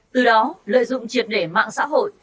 từ đó lợi dụng triệt để mạng xã hội